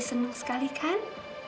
seneng sekali kan